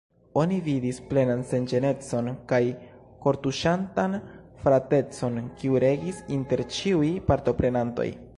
Oni vidis plenan senĝenecon kaj kortuŝantan fratecon, kiu regis inter ĉiuj partoprenantoj.